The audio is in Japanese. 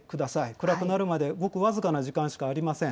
暗くなるまでごく僅かな時間しかありません。